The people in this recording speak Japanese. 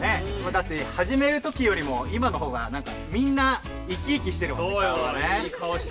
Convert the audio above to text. だってはじめる時よりも今のほうがみんな生き生きしてるもんね顔がね。